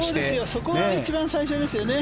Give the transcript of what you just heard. そこが一番最初ですよね